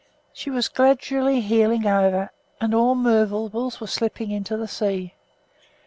She was gradually heeling over, and all movables were slipping into the sea.